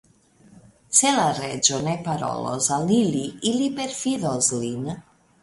Se la reĝo ne parolos al ili, ili perfidos lin.